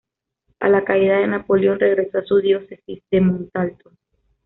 A la caída de Napoleón regresó a su diócesis de Montalto.